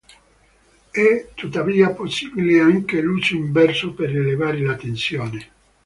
È tuttavia possibile anche l'uso inverso per elevare la tensione.